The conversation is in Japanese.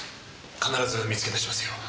必ず見つけ出しますよ。